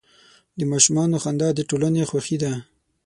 د ماشومانو خندا د ټولنې خوښي ده.